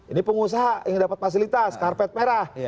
ini pengusaha yang dapat fasilitas karpet merah